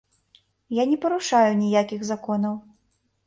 Я не парушаю ніякіх законаў.